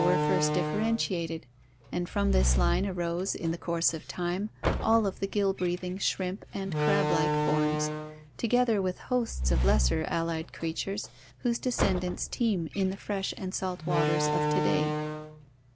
tacea were first differentiated, and from this line arose, in the course of time, all of the gill breathing shrimp and crab like forms, to gether with hosts of lesser allied creatures whose descendants teem In the fresh and salt waters of to day.